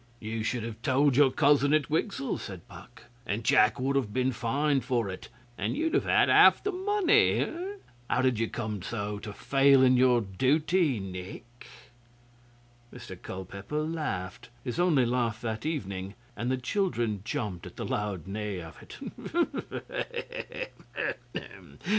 'You should have told your cousin at Wigsell,' said Puck, 'and Jack would have been fined for it, and you'd have had half the money. How did you come so to fail in your duty, Nick?' Mr Culpeper laughed his only laugh that evening and the children jumped at the loud neigh of it.